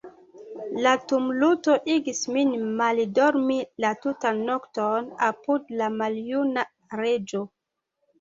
La tumulto igis min maldormi la tutan nokton apud la maljuna Reĝo.